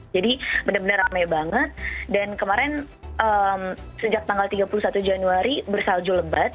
jadi bener bener rame banget dan kemarin sejak tanggal tiga puluh satu januari bersalju lebat